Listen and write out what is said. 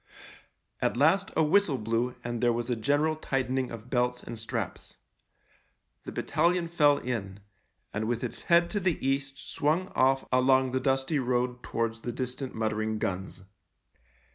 At last a whistle blew and there was a general tightening of belts and straps. The battalion fell in, and with its head to the east swung off along the dusty road towards the distant muttering guns.